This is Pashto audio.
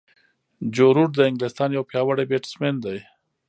جو روټ د انګلستان یو پیاوړی بیټسمېن دئ.